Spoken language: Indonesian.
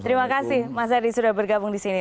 terima kasih mas herdy sudah bergabung di sini